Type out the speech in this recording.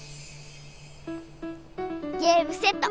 ゲームセット！